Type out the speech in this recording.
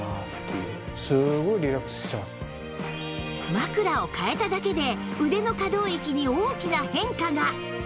枕を替えただけで腕の可動域に大きな変化が